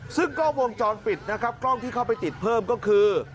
ซึ่งกล้องวงจรปิดนะครับกล้องที่เข้าไปติดเพิ่มก็คือ